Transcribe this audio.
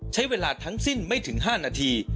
ใช้เวลาทั้งสิ้นไม่ถึง๕นาที